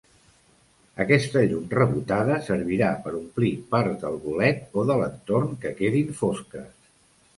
Aquesta llum rebotada servirà per omplir parts del bolet o de l'entorn que quedin fosques.